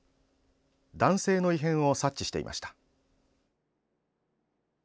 男性の異変を察知していました。